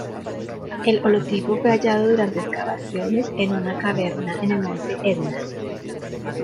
El holotipo fue hallado durante excavaciones en una caverna en el Monte Etna.